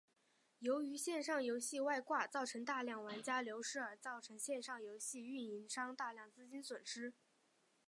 由于线上游戏外挂造成大量玩家流失而造成线上游戏营运商大量资金损失。